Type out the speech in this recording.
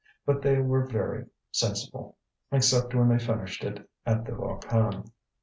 But they were very sensible, except when they finished it at the Volcan.